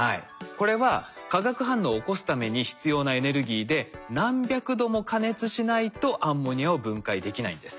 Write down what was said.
これは化学反応を起こすために必要なエネルギーで何百度も加熱しないとアンモニアを分解できないんです。